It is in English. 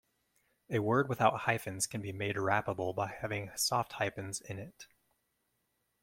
A word without hyphens can be made wrappable by having soft hyphens in it.